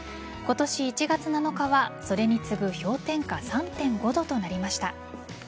今年１月７日はそれに次ぐ氷点下３．５度となりました。